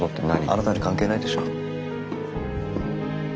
あなたに関係ないでしょう。